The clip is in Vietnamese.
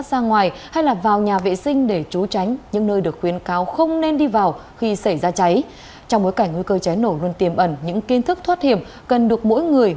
trong bối cảnh nguy cơ cháy nổ luôn tiềm ẩn những kiến thức thoát hiểm cần được mỗi người